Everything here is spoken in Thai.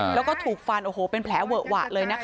แล้วก็ถูกฟันโอ้โหเป็นแผลเวอะหวะเลยนะคะ